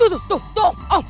tuh tuh tuh tuh